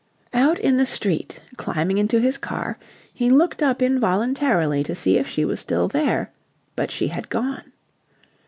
Out in the street, climbing into his car, he looked up involuntarily to see if she was still there, but she had gone.